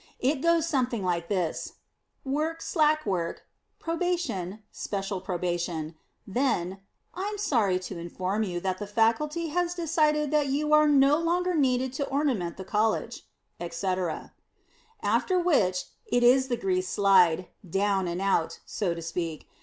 It goes something like this: work, slack work, probation, special probation, then, "I am sorry to inform you that the Faculty has decided that you are no longer needed to ornament the College," etc. After which, it is the greased slide, down and out, so to speak.